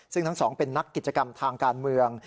ซึ่งทั้งสองเป็นนักกิจกรรมทางการเมือง